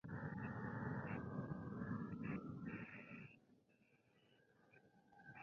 Victor actualmente trabaja junto a Glenn Danzig en su agrupación Danzig.